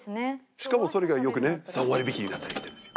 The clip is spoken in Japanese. しかもそれがよくね３割引になったりしてるんですよ